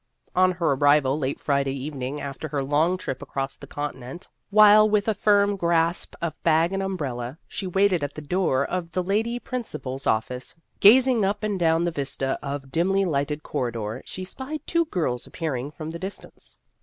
On her arrival late Friday evening after her long trip across the continent, while with a firm grasp of bag and umbrella she waited at the door of the Lady Principal's office, gazing up and down the vista of dimly lighted corridor, she spied two girls appearing from the distance.